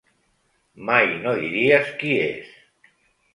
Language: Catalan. Mai no diries qui és?